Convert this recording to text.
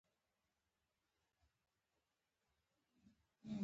څو میاشتې کیږي؟